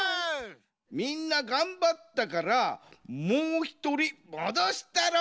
みんながんばったからもうひとりもどしたろ！